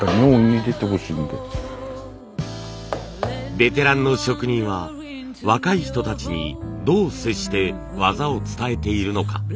ベテランの職人は若い人たちにどう接して技を伝えているのか。